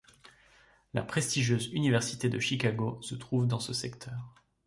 La prestigieuse Université de Chicago se trouve dans ce secteur.